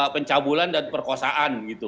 pencabulan dan perkosaan